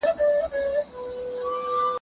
دا لاره له پاکستان سره نښلوي.